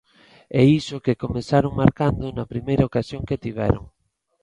E iso que comezaron marcando na primeira ocasión que tiveron.